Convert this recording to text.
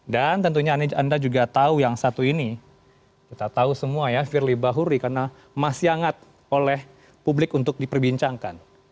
dan tentunya anda juga tahu yang satu ini kita tahu semua ya firly bahuri karena masih hangat oleh publik untuk diperbincangkan